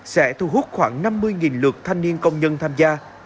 sẽ thu hút khoảng năm mươi lượt thanh niên công nhân tham gia